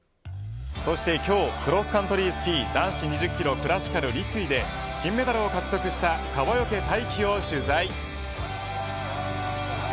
そして今日クロスカントリースキー男子２０キロクラシカル立位で金メダルを獲得した川除大輝を取材。